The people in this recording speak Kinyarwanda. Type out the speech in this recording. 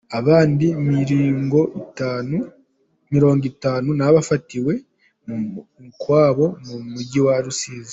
Abandi Mirongo Itanu nabatatubafatiwe mu mukwabo mu Mujyi wa Rusizi